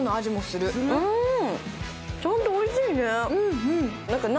ちゃんとおいしいね。